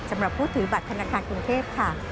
สำหรับผู้ถือบัตรธนาคารกรุงเทพค่ะ